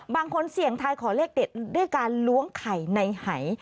บางคนเสี่ยงทายขอเลขเด็ดด้วยการล้วงไข่ในหาย